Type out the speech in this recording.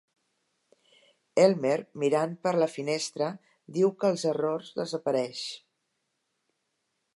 Elmer, mirant per la finestra, diu que els errors desapareix.